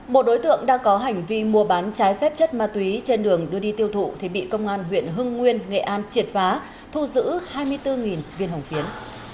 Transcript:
một đối tượng đang có hành vi mua bán trái phép chất ma túy trên đường đưa đi tiêu thụ thì bị công an huyện hưng nguyên nghệ an triệt phá thu giữ hai mươi bốn viên hồng phiến